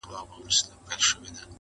• کوم څراغ چي روښنایي له پردو راوړي..